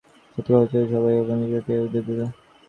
সতর্ক করতেই হচ্ছে, সবাই আপনাদের পেয়ে উত্তেজিত।